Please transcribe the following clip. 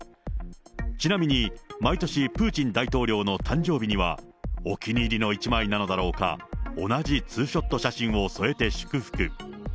ちなみに毎年プーチン大統領の誕生日には、お気に入りの一枚なのだろうか、同じツーショット写真を添えて祝福。